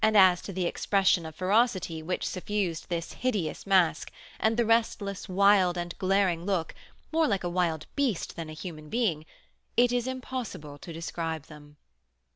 As to the expression of ferocity which suffused this hideous mask, and the restless, wild, and glaring look, more like a wild beast than a human being, it is impossible to describe them.